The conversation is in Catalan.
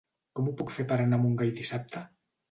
Com ho puc fer per anar a Montgai dissabte?